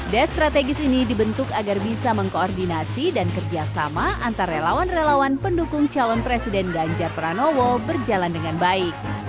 des strategis ini dibentuk agar bisa mengkoordinasi dan kerjasama antar relawan relawan pendukung calon presiden ganjar pranowo berjalan dengan baik